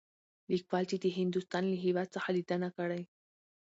ليکوال چې د هندوستان له هـيواد څخه ليدنه کړى.